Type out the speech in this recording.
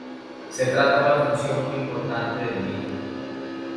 Se trata una función muy importante del mito.